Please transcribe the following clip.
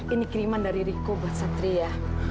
ini kiriman dari riko buat satria